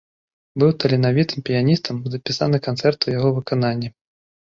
Быў таленавітым піяністам, запісаны канцэрты ў яго выкананні.